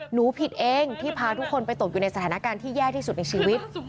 หนูผิดเองที่พาทุกคนไปตกอยู่ในสถานการณ์ที่แย่ที่สุดในชีวิต